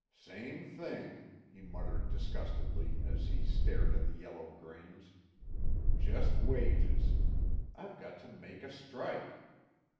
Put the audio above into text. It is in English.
"Same thing," he muttered disgustedly, as he stared at the yellow grains, "Just wages. I've got to make a strike!